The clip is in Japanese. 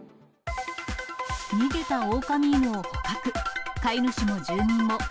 逃げたオオカミ犬を捕獲。